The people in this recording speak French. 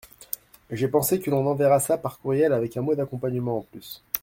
J’ai pensé que l’on enverrait ça par courriel avec un mot d’accompagnement en plus.